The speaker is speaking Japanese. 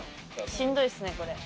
しんどいっすねこれ。